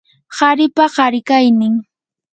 qaripa qarikaynin